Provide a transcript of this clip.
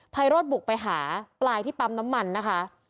ไรโรธบุกไปหาปลายที่ปั๊มน้ำมันนะคะ